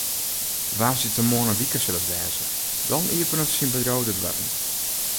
Woansdeitemoarn in wike sil it wêze, dan iepenet syn bedriuw de doarren.